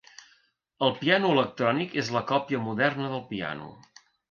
El piano electrònic és la còpia moderna del piano.